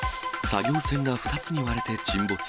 作業船が２つに割れて沈没。